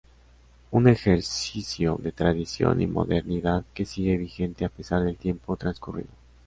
Un ejercicio de tradición y modernidad que sigue vigente a pesar del tiempo transcurrido.